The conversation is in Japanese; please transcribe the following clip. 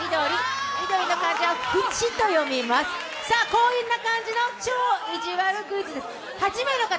こんな感じの超いじわるクイズです。